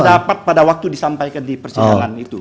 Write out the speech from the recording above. pendapat pada waktu disampaikan di persidangan itu